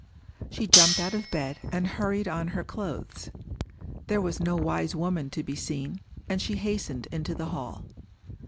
She jumped out of bed, and hurried on her clothes. There was no wise woman to be seen; and she hastened into the hall.